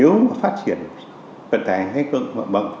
nếu mà phát triển vận tải hành công cộng